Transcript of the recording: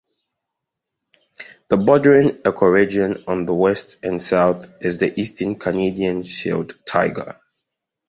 The bordering ecoregion on the west and south is the Eastern Canadian Shield taiga.